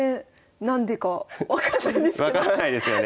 分からないですよね。